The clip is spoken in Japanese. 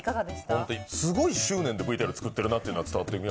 本当にすごい執念でＶＴＲ作ってるなというのは伝わってきま